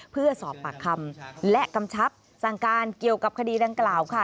เพื่อสอบปากคำและกำชับสั่งการเกี่ยวกับคดีดังกล่าวค่ะ